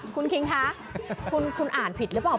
คุณคิงคะคุณอ่านผิดหรือเปล่า